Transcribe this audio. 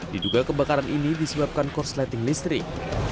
diduga kebakaran ini disebabkan korsleting listrik